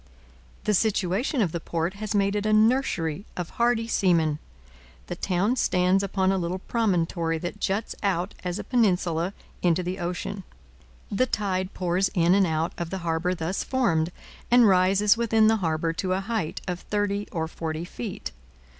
The situation of the port has made it a nursery of hardy seamen. The town stands upon a little promontory that juts out as a peninsula into the ocean. The tide pours in and out of the harbour thus formed, and rises within the harbour to a height of thirty or forty feet.